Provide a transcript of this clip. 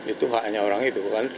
itu haknya orang itu